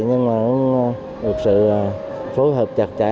nhưng mà thực sự phối hợp chặt chẽ